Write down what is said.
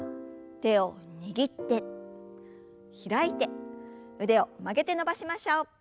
手を握って開いて腕を曲げて伸ばしましょう。